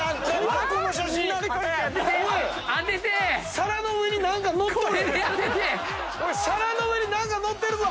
皿の上に何か載ってるぞ！